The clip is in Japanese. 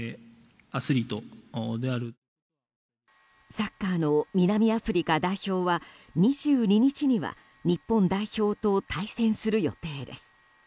サッカーの南アフリカ代表は２２日には日本代表と対戦する予定です。